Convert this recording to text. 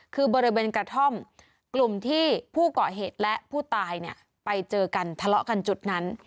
คือบริเวณกระท่อมกลุ่มที่ผู้เกาะเหตุและผู้ตายเนี่ยไปเจอกันทะเลาะกันจุดนั้น